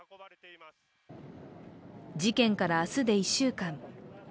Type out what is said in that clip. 事件から明日で１週間。